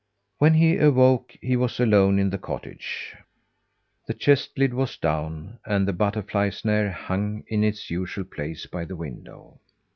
When he awoke, he was alone in the cottage. The chest lid was down, and the butterfly snare hung in its usual place by the window.